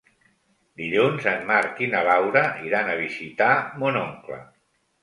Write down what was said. Dilluns en Marc i na Laura iran a visitar mon oncle.